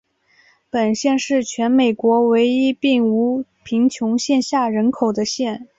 本县是全美国唯一并无贫穷线下人口的县。